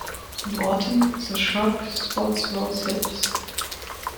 In autumn, the shrub sports rose hips.